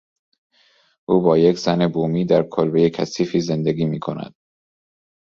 او با یک زن بومی در کلبهی کثیفی زندگی میکند.